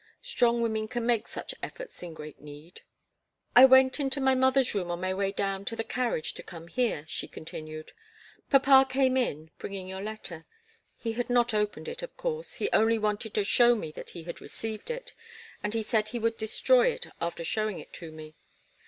Strong women can make such efforts in great need. "I went into my mother's room on my way down to the carriage to come here," she continued. "Papa came in, bringing your letter. He had not opened it, of course he only wanted to show me that he had received it, and he said he would destroy it after showing it to me.